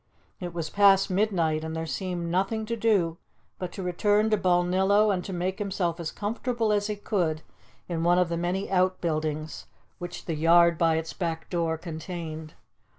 It was past midnight, and there seemed nothing to do but to return to Balnillo and to make himself as comfortable as he could in one of the many out buildings which the yard by its back door contained.